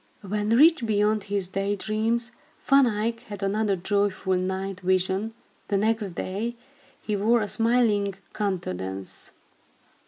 When rich beyond his day dreams, Van Eyck had another joyful night vision. The next day, he wore a smiling countenance.